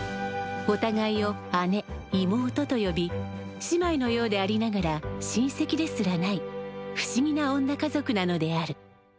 おたがいを姉妹と呼び姉妹のようでありながら親せきですらない不思議な女家族なのである。